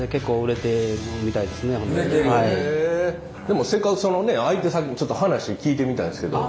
でもせっかくそのね相手先にちょっと話聞いてみたいんですけど。